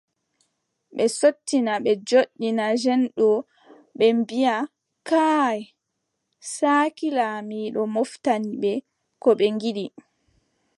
Ɓe sottina, ɓe joɗɗina genes ɗo ɓe mbiaʼa : kay saaki laamiiɗo moftani ɓe ko ɓe ngiɗi.